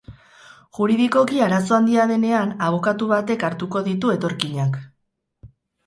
Juridikoki arazo handia denean, abokatu batek hartuko ditu etorkinak.